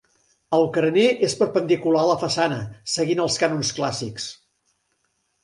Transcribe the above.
El carener és perpendicular a la façana seguint els cànons clàssics.